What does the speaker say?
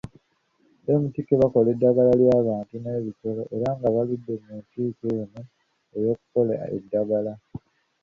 MTK bakola eddagala ly'abantu n'ebisolo era nga baludde mu nsiike eno ey'okukola eddagala.